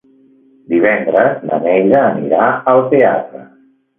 Divendres na Neida anirà al teatre.